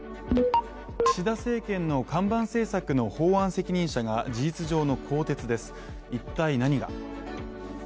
岸田政権の看板政策の法案責任者が事実上の更迭です、一体、何が。